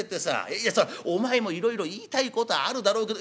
いやそれはお前もいろいろ言いたいことはあるだろうけど